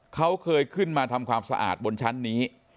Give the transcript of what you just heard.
เขาเคยขึ้นมาทำความสะอาดบนชั้นนี้